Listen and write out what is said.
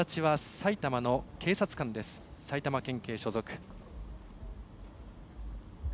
埼玉県警所属。